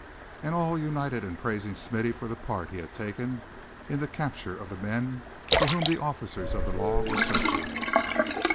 And all united in praising Smithy for the part he had had taken in the capture of the men for whom the officers of the law were searching.